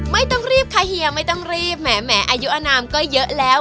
ไม่ต้องรีบค่ะเฮียไม่ต้องรีบแหมอายุอนามก็เยอะแล้ว